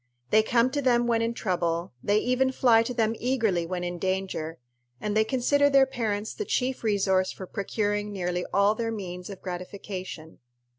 They come to them when in trouble, they even fly to them eagerly when in danger, and they consider their parents the chief resource for procuring nearly all their means of gratification.